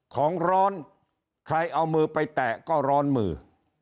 ของร้อนใครเอามือไปแตะก็ร้อนมือ